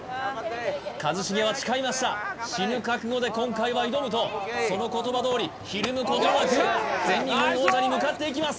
一茂は誓いました死ぬ覚悟で今回は挑むとその言葉どおりひるむことなく全日本王者に向かっていきます